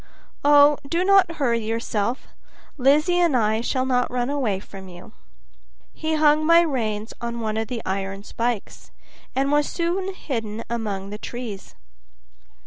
"Oh, do not hurry yourself; Lizzie and I shall not run away from you." He hung my rein on one of the iron spikes, and was soon hidden among the trees.